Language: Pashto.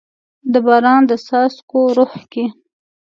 د باران د څاڅکو روح کې